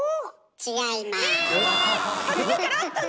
違います。